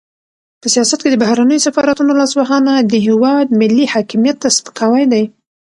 په سیاست کې د بهرنیو سفارتونو لاسوهنه د هېواد ملي حاکمیت ته سپکاوی دی.